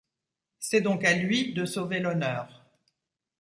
C'est donc à lui de sauver l'honneur.